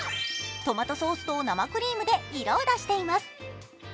トマトソースと生クリームで色を出しています。